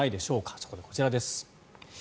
そこでこちらです。